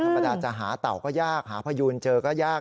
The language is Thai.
ธรรมดาจะหาเต่าก็ยากหาพยูนเจอก็ยาก